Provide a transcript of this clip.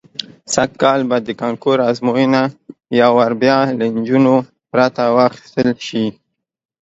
سږ کال به د کانکور ازموینه یو وار بیا له نجونو پرته واخیستل شي.